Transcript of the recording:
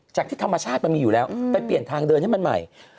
จากที่ธรรมชาติมันมีอยู่แล้วไปเปลี่ยนทางเดินให้มันใหม่